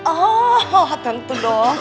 oh tentu dong